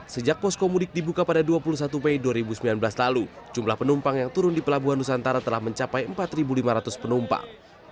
sejak poskomudik dibuka pada dua puluh satu mei dua ribu sembilan belas lalu jumlah penumpang yang turun di pelabuhan nusantara telah mencapai empat lima ratus penumpang